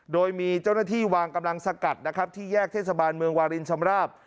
โดยมีเจ้าหน้าที่วางกำลังสกัดนะครับที่แยกเทศบาลเมืองวารินชำราบ